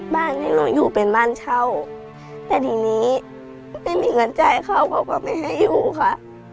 บ้านนี้หนูอยู่เป็นบ้านเช่าแต่ทีนี้ไม่มีเงินจ่ายเข้าเขาก็ไม่ให้อยู่ค่ะ